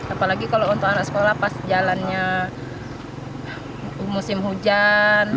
apalagi kalau untuk anak sekolah pas jalannya musim hujan